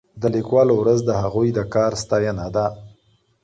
د لیکوالو ورځ د هغوی د کار ستاینه ده.